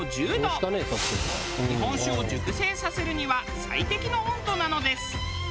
日本酒を熟成させるには最適の温度なのです。